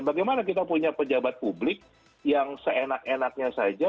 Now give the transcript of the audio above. bagaimana kita punya pejabat publik yang seenak enaknya saja